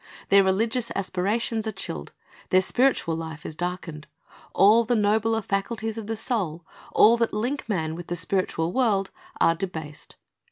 Their religious aspirations are chilled; their spiritual life is darkened. All the nobler faculties of the soul, all that link man with the spiritual world, are debased.